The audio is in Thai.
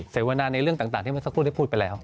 เสวนาในเรื่องต่างที่เมื่อสักครู่ได้พูดไปแล้ว